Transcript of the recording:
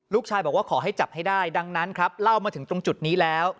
ลูกชายบอกว่าขอให้จับให้ได้ดังนั้นครับเล่ามาถึงตรงจุดนี้แล้ว